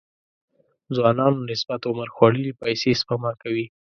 ځوانانو نسبت عمر خوړلي پيسې سپما کوي.